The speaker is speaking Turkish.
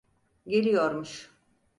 Geliyormuş.